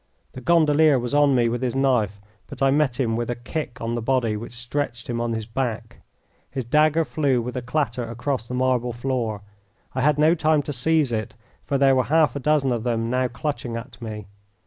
The gondolier was on me with his knife, but I met him with a kick on the body which stretched him on his back. His dagger flew with a clatter across the marble floor. I had no time to seize it, for there were half a dozen of them now clutching at me.